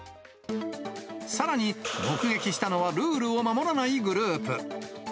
さらに目撃したのはルールを守らないグループ。